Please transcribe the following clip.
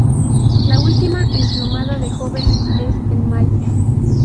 La última emplumada de jóvenes es en mayo.